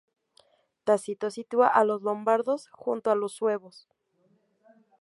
Tácito sitúa a los lombardos junto a los suevos.